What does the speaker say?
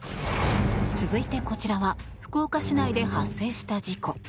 続いて、こちらは福岡市内で発生した事故。